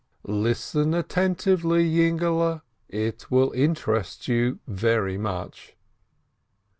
Listen attentively, my dear child, it will interest you very much.